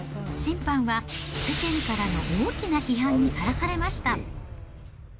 審判は世間からの大きな批判にさらされました。